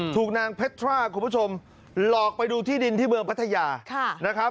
ถูกนางเพชรราคุณผู้ชมหลอกไปดูที่ดินที่เมืองพัทยานะครับ